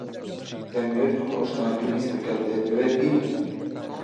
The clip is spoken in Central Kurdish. دەمەوێت هەموو ئەو شتانە ببیستم کە دەتەوێت بیڵێیت.